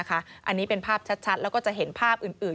อันนี้เป็นภาพชัดแล้วก็จะเห็นภาพอื่น